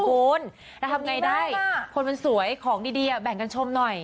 คุณเราทำไงได้คนมันสวยของดีแบ่งกันชมหน่อย